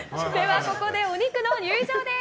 ここでお肉の入場です！